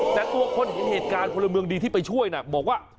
แต่ตัวคนเห็นเหตุการณ์พลเมืองดีที่ไปช่วยน่ะบอกว่า